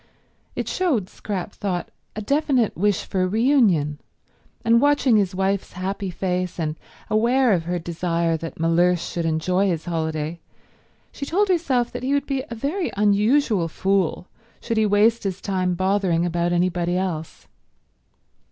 It showed, Scrap thought, a definite wish for reunion; and watching his wife's happy face, and aware of her desire that Mellersh should enjoy his holiday, she told herself that he would be a very unusual fool should he waste his time bothering about anybody else.